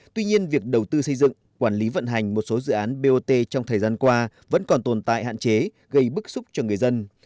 tuy nhiên việc đầu tư xây dựng quản lý vận hành một số dự án bot trong thời gian qua vẫn còn tồn tại hạn chế gây bức xúc cho người dân